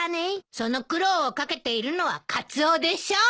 その苦労を掛けているのはカツオでしょ。